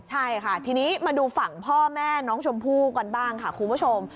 ใช่ค่ะทีนี้มาดูฝั่งพ่อแม่น้องชมพู่กันบ้างค่ะคุณผู้ชม